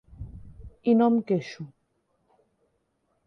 I no em queixo.